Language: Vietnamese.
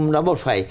nó bột phẩy